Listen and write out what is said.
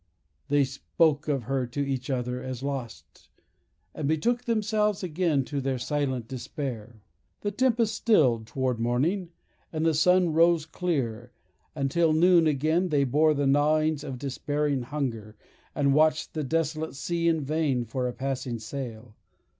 They spoke of her to each other as lost, and betook themselves again to their silent despair. The tempest stilled toward morning, and the sun rose clear, and till noon again they bore the gnawings of despairing hunger, and watched the desolate sea in vain for a passing sail.